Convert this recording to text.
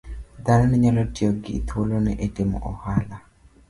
Dhanone nyalo tiyo gi thuolono e timo ohala